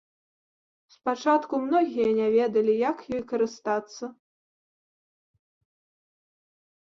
Спачатку многія не ведалі, як ёй карыстацца.